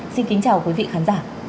xin kính chào quý vị khán giả